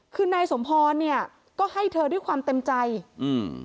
คือนายสมพรเนี่ยก็ให้เธอด้วยความเต็มใจอืม